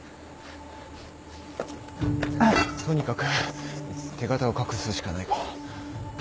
とにかく手形を隠すしかないか。